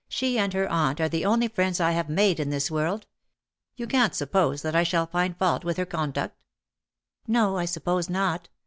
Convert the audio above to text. " She and her aunt are the only friends I have made in this world. You can't suppose that I shall find fault with her conduct ?" 209 ^^ Noj I suppose not.